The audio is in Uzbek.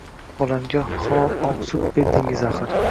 Bolamga halol oq sut berdingiz, axir